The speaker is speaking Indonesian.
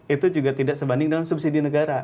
itu juga tidak sebanding dengan subsidi negara